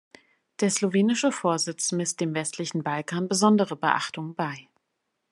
Der slowenische Vorsitz misst dem westlichen Balkan besondere Beachtung bei.